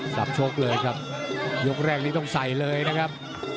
สำชกเลยครับยกแรกนี้ต้องใส่เลยนะครับ